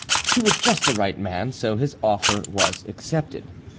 He was just the right man, so his offer was accepted.